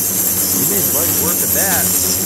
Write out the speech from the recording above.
You made light work of that!